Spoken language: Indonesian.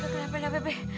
kenapa bebe bebe